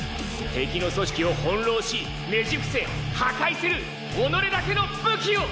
敵の組織を翻弄しねじ伏せ破壊する己だけの武器を！